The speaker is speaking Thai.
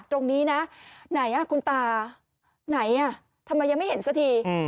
ตรงนี้นะไหนคุณตาไหนทำไมยังไม่เห็นสักที